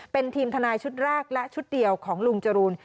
เป็นทีมทนายชุดแรกและชุดเดียวของลุงจรูน